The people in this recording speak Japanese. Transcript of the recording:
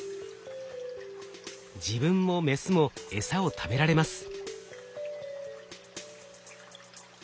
自分もメスもエサを食べられます。